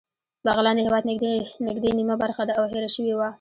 بغلان د هېواد نږدې نیمه برخه ده او هېره شوې وه